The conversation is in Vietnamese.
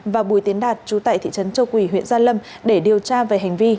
và bùi tiến đạt chú tại thị trấn châu quỳ huyện gia lâm để điều tra về hành vi